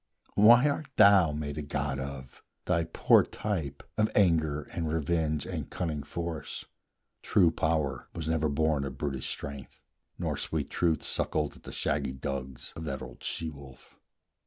Why art thou made a god of, thou poor type Of anger, and revenge, and cunning force? True Power was never born of brutish Strength, Nor sweet Truth suckled at the shaggy dugs Of that old she wolf.